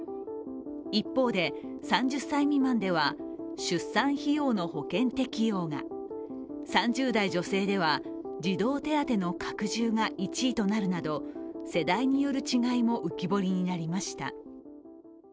一方で、３０歳未満では出産費用の保険適用が３０代女性では児童手当の拡充が１位となるなど世代による違いも浮き彫りになりました。